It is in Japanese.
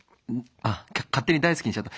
あっ勝手に大好きにしちゃった。